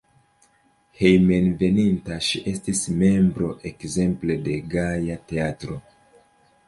Hejmenveninta ŝi estis membro ekzemple de Gaja Teatro.